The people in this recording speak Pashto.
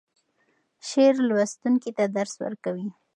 شعر لوستونکی ته درس ورکوي.